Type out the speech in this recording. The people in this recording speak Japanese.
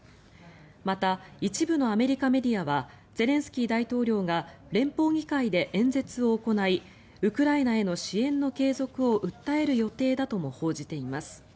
また、一部のアメリカメディアはゼレンスキー大統領が連邦議会で演説を行いウクライナへの支援の継続を訴える予定だとも報じています。